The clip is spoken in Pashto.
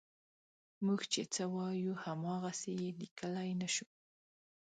موږ چې څه وایو هماغسې یې لیکلی نه شو.